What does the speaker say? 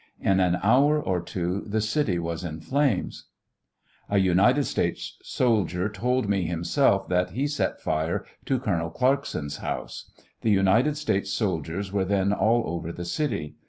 In an hour or two the city was in flames. A United States soldier told me himself that he set fire to Col. Clarkson.'s house. The United States soldiers were then all over the city.